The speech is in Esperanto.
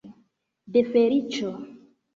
De feliĉo!